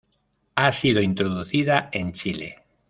Ha sido introducida en Chile.